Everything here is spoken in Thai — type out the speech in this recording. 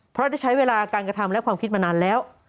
เพราะได้ใช้เวลาการกระทำและความคิดมานานแล้ว